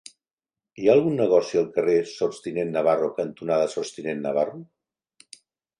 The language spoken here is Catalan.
Hi ha algun negoci al carrer Sots tinent Navarro cantonada Sots tinent Navarro?